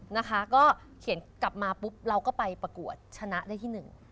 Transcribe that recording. นะคะก็เขียนกลับมาปุ๊บเราก็ไปประกวดชนะได้ที่หนึ่ง